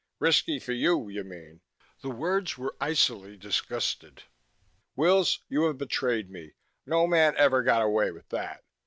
"Risky for you, you mean!" The words were icily disgusted. "Wills, you have betrayed me. No man ever got away with that.